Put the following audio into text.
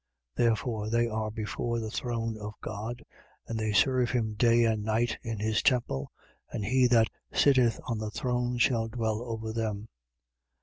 7:15. Therefore, they are before the throne of God: and they serve him day and night in his temple. And he that sitteth on the throne shall dwell over them.